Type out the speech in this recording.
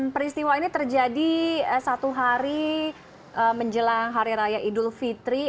peristiwa ini terjadi satu hari menjelang hari raya idul fitri